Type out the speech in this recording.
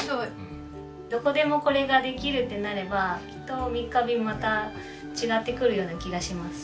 どこでもこれができるってなればきっと三ヶ日もまた違ってくるような気がします。